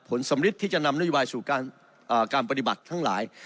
สำริดที่จะนำนโยบายสู่การปฏิบัติทั้งหลาย